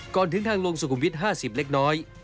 ก่อนจะถึงทางลงสุกุมวิทร์๕๐เล็กน้อย